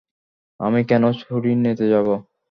আমি কেন ছুরি নেতে যাব?